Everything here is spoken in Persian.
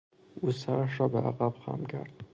او سرش را به عقب خم کرد.